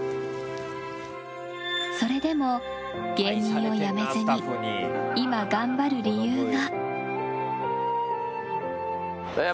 それでも芸人をやめずに今、頑張る理由が。